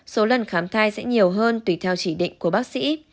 số lần khám thai sẽ nhiều hơn tùy theo chỉ định của bác sĩ